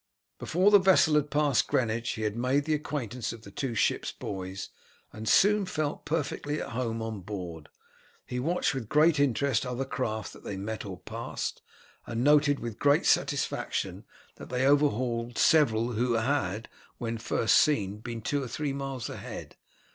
Before the vessel had passed Greenwich he had made the acquaintance of the two ship's boys, and soon felt perfectly at home on board. He watched with great interest other craft that they met or passed, and noted with great satisfaction that they overhauled several who had, when first seen, been two or three miles ahead.